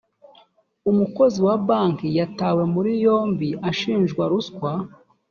umukozi wa banki yatawe muri yomi ashijwa ruswa